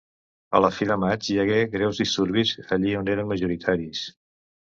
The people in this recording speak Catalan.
A la fi del maig hi hagué greus disturbis allí on eren majoritaris.